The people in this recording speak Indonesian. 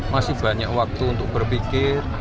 masih banyak waktu untuk berpikir